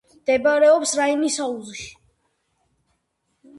მდებარეობს რაინის აუზში.